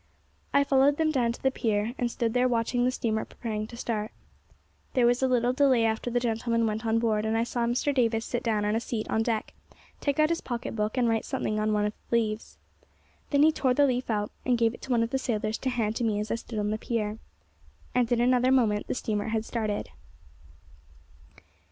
I followed them down to the pier, and stood there watching the steamer preparing to start. There was a little delay after the gentlemen went on board, and I saw Mr. Davis sit down on a seat on deck, take out his pocket book, and write something on one of the leaves. Then he tore the leaf out, and gave it to one of the sailors to hand to me as I stood on the pier, and in another moment the steamer had started.